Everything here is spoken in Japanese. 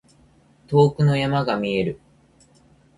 遠くの山が見える。